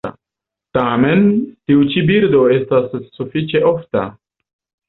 Tamen, tiu ĉi birdo restas sufiĉe ofta.